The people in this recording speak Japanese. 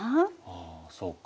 あそうか。